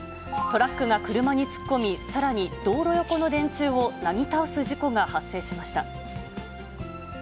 トラックが車に突っ込み、さらに道路横の電柱をなぎ倒す事故が発生しました。